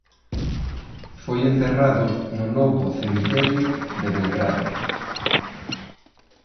Foi enterrado no novo cemiterio de Belgrado.